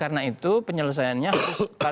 karena itu penyelesaiannya harus